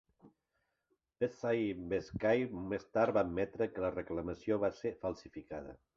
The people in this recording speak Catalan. Bezymensky més tard va admetre que la reclamació va ser falsificada.